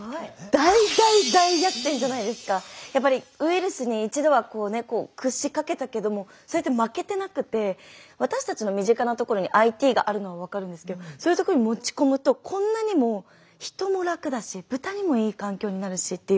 やっぱりウイルスに一度は屈しかけたけどもそうやって負けてなくて私たちの身近なところにＩＴがあるのは分かるんですけどそういうところに持ち込むとこんなにも人も楽だし豚にもいい環境になるしっていう。